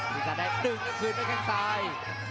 พี่สาดแดงดึงกับคืนด้วยแค่งซ้าย